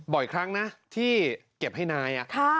บ่อยครั้งนะที่เก็บให้นาย